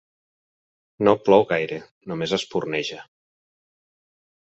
No plou gaire, només espurneja.